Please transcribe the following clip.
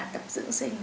tập dưỡng sinh